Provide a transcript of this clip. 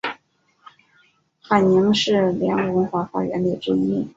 海宁是良渚文化发源地之一。